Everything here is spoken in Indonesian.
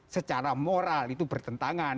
secara moral itu bertentangan